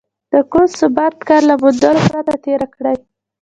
د کوم ثابت کار له موندلو پرته تېره کړې.